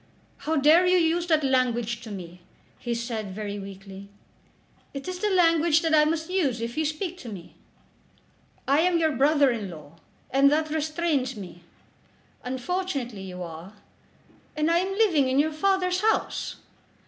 "How dare you use that language to me!" he said very weakly. "It is the language that I must use if you speak to me." "I am your brother in law, and that restrains me." "Unfortunately you are." "And am living in your father's house."